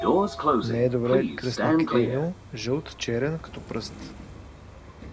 Не е добре, кръстник Еньо, жълт, черен, като пръст.